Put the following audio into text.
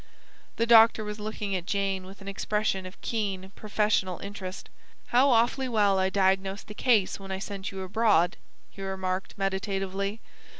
The doctor was looking at Jane with an expression of keen professional interest. "How awfully well I diagnosed the case when I sent you abroad," he remarked meditatively.